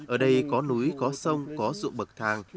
ở đây có núi có sông có ruộng bậc thang